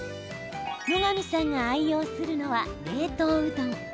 野上さんが愛用するのは冷凍うどん。